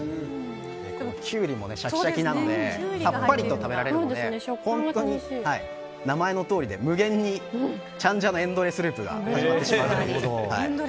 このキュウリもシャキシャキでさっぱりと食べられるので本当に、名前のとおり無限にチャンジャのエンドレスループが始まります。